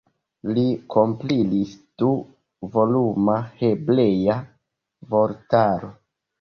Li kompilis du-voluma hebrea vortaro.